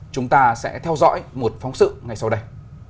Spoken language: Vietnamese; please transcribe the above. chúng ta sẽ theo dõi một phóng sự ngay sau đây